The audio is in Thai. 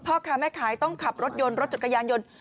พ่อค้าแม่ขายต้องขับรถยนต์รถจักรยานยนต์